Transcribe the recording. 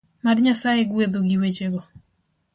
Mad Nyasaye gwedhu gi wechego